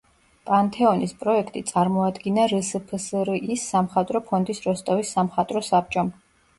პანთეონის პროექტი წარმოადგინა რსფსრ-ის სამხატვრო ფონდის როსტოვის სამხატვრო საბჭომ.